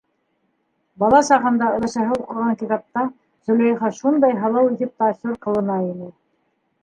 Бала сағында өләсәһе уҡыған китапта Зөләйха шундай һылыу итеп тасуир ҡылына ине.